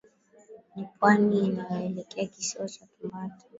Ni pwani inayoelekea kisiwa cha Tumbata